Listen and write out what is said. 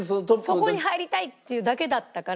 「そこに入りたい」っていうだけだったから。